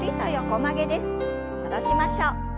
戻しましょう。